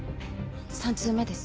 ３通目です。